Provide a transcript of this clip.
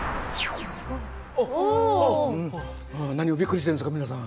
何をびっくりしてるんですか皆さん。